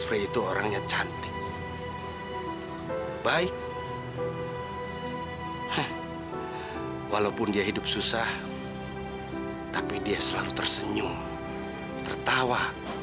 orangnya cantik baik walaupun dia hidup susah tapi dia selalu tersenyum tertawa